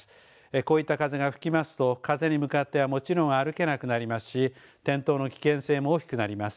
こういった風が吹きますと風に向かってはもちろん歩けなくなりますし転倒の危険性も大きくなります。